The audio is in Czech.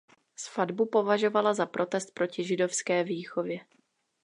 Svatbu považovala za protest proti židovské výchově.